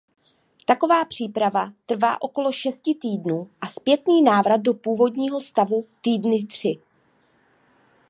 Taková příprava trvá okolo šesti týdnů a zpětný návrat do původního stavu týdny tři.